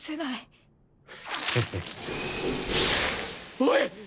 おい！